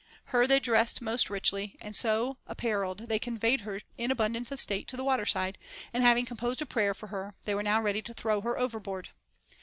Her they dressed most richly, and so apparelled they conveyed her in abundance of state to the water side, and having com posed a prayer for her, they were now ready to throw her overboard.